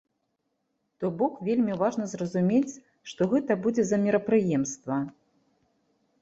То бок вельмі важна зразумець, што гэта будзе за мерапрыемства.